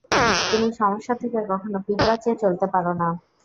তুমি সমস্যা থেকে কখনও পিঠ বাঁচিয়ে চলতে পারো না।